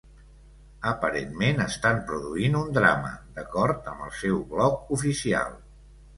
Aparentment estan produint un drama, d'acord amb el seu blog oficial.